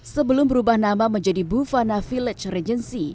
sebelum berubah nama menjadi bufana village regency